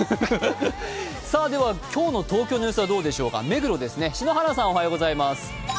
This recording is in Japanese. では今日の東京の様子はどうでしょうか目黒ですね。